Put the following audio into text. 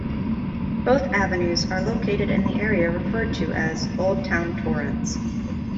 Both avenues are located in the area referred to as Old Town Torrance.